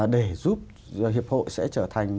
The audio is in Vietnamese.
để giúp hiệp hội sẽ trở thành một cái